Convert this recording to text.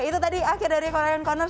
itu tadi akhir dari korean corner